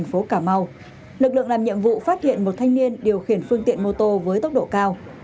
phố cà mau lực lượng làm nhiệm vụ phát hiện một thanh niên điều khiển phương tiện mô tô với tốc độ cao